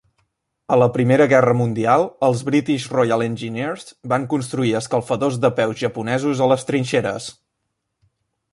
A la Primera Guerra Mundial, els British Royal Engineers van construir "escalfadors de peus japonesos" a les trinxeres.